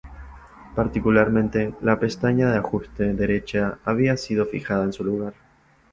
Particularmente, la pestaña de ajuste derecha había sido fijada en su lugar.